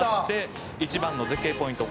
「一番の絶景ポイント